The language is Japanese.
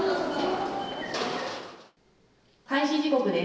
開始時刻です。